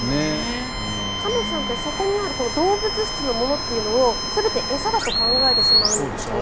亀さんってそこにある動物質のものを全て餌だと考えてしまうんだそうで。